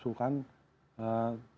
kalau kita menganggap